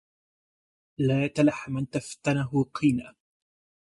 لا تلح من تفتنه قينه